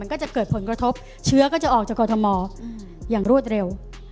ก็จะเกิดผลกระทบเชื้อก็จะออกจากกรทมอย่างรวดเร็ว